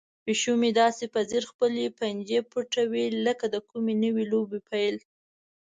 پیشو مې داسې په ځیر خپلې پنجې پټوي لکه د کومې نوې لوبې پیل.